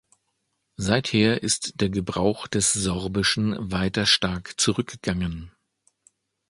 Seither ist der Gebrauch des Sorbischen weiter stark zurückgegangen.